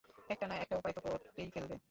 একটা না একটা উপায়ে তো করেই ফেলবে।